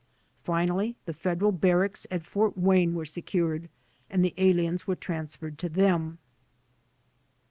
Finally the Federal Barracks at Fort Wa)me were secured and the aliens were transferred to them.